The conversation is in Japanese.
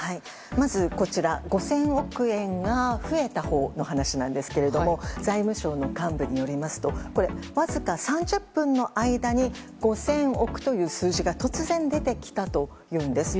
まず、５０００億円が増えたほうの話なんですが財務省の幹部によりますとわずか３０分の間に５０００億という数字が突然出てきたというんです。